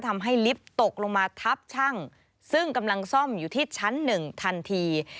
ทำให้ลิฟต์ตกลงมาทับช่างซึ่งกำลังซ่อมอยู่ที่ชั้นหนึ่งทันที